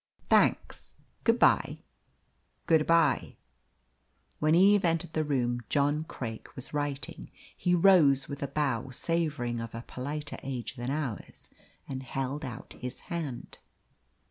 "Thanks good bye." "Good bye." When Eve entered the room, John Craik was writing. He rose with a bow savouring of a politer age than ours, and held out his hand.